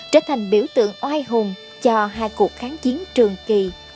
trở thành biểu tượng oai hùng cho hai cuộc kháng chiến trường kỳ vĩ đại của dân tộc